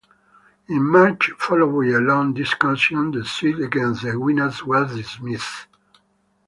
In March, following a long discussion, the suit against the Gwynnes was dismissed.